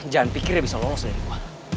jangan pikir dia bisa lolos dari gue